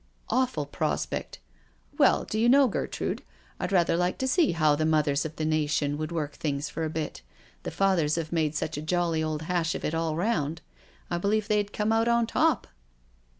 "Awful prospect I Well, do you know, Gertrude, I'd rather like to see how the mothers of the nation would work things for a bit — the fathers have made such a jolly old hash of it all round — I believe they'd come out on top."